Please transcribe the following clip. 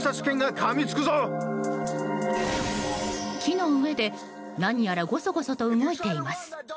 木の上で、何やらごそごそと動いています。